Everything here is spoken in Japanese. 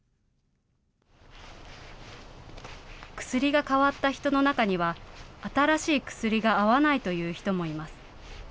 薬が変わった人の中には、新しい薬が合わないという人もいます。